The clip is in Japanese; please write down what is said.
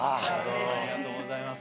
ありがとうございます。